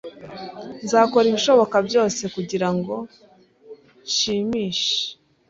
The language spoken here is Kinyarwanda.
Nzakora ibishoboka byose kugirango nshimishe.